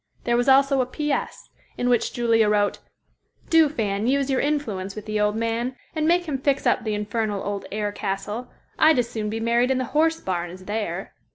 There was also a "P.S.," in which Julia wrote, "Do, Fan, use your influence with the old man and make him fix up the infernal old air castle. I'd as soon be married in the horse barn as there."